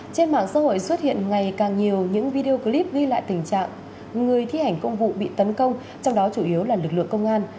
chủ yếu là lực lượng công an